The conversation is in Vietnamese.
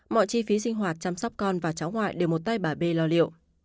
mọi chi phí sinh hoạt chăm sóc con và cháu ngoại đều một tay bà bê lo liệu